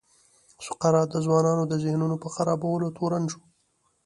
سقراط د ځوانانو د ذهنونو په خرابولو تورن شو.